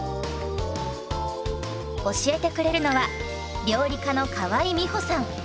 教えてくれるのは料理家の河井美歩さん。